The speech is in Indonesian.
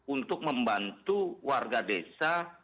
untuk membantu warga desa